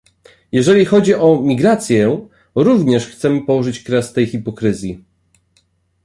Jeśli chodzi o migrację, również chcemy położyć kres tej hipokryzji